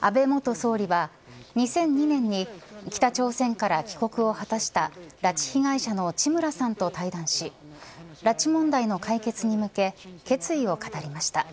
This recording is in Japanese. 安倍元総理は２００２年に北朝鮮から帰国を果たした拉致被害者の地村さんと対談し拉致問題の解決へ向け決意を語りました。